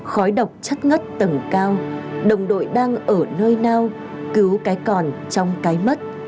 khói độc chất ngất tầng cao đồng đội đang ở nơi nào cứu cái còn trong cái mất